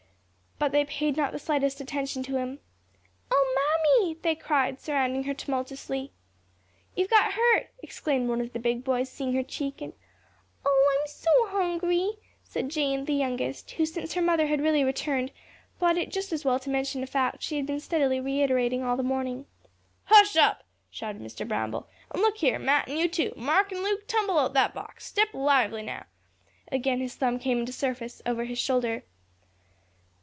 But they paid not the slightest attention to him. "Oh, Mammy!" they cried, surrounding her tumultuously. "You've got hurt," exclaimed one of the big boys, seeing her cheek, and, "Oh, I'm so hungry," said Jane, the youngest, who, since her mother had really returned, thought it just as well to mention a fact she had been steadily reiterating all the morning. "Hush up!" shouted Mr. Bramble, "and look here, Mat, an' you too, Mark and Luke, tumble out that box. Step lively now." Again his thumb came into service over his shoulder.